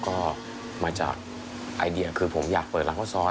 ก็มาจากไอเดียคือผมอยากเปิดร้านข้าวซอย